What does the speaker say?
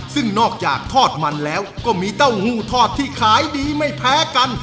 ซึ่งนอกจากทอดมันแล้วก็มีเต้าหู้ทอดที่ขายดีไม่แพ้กัน